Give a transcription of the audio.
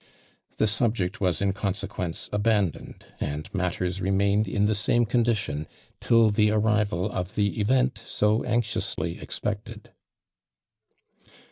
"" The subject was m consequence abandoned and matters re mained in the same condition till the arri val of the event so anxiously expected.